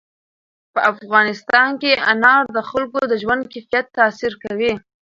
په افغانستان کې انار د خلکو د ژوند کیفیت تاثیر کوي.